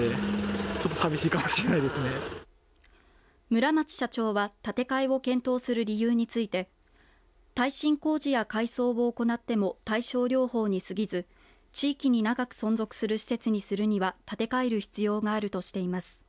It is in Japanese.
村松社長は建て替えを検討する理由について耐震工事や改装を行っても対症療法にすぎず地域に長く存続する施設にするには建て替える必要があるとしています。